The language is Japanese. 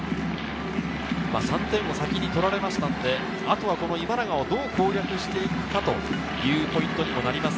３点を先に取られましたので、あとは今永をどう攻略していくかというポイントにもなります。